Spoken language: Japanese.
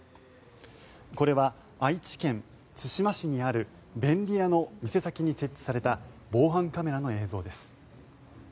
これは愛知県津島市にある便利屋の店先に設置された防犯カメラの映像です。